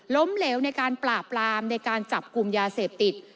เหลวในการปราบปรามในการจับกลุ่มยาเสพติด